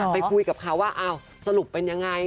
ไปคุยกับเขาว่าอ้าวสรุปเป็นยังไง